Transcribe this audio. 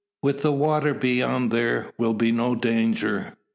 With the water beyond there will be no danger.